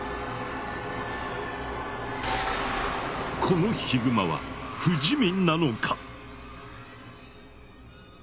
このヒグマは不死身なのか？